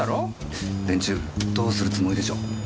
連中どうするつもりでしょう。